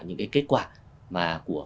những cái kết quả mà của